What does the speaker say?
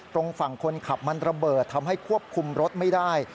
ตรงฝั่งคนขับมันระเบิดทำให้ควบคุมรถไม่ได้